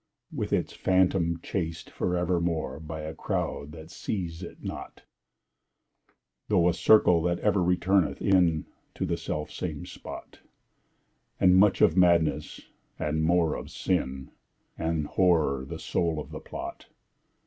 With its Phantom chased for evermore, By a crowd that seize it not, Through a circle that ever returneth in To the self same spot, And much of Madness, and more of Sin, And Horror the soul of the plot.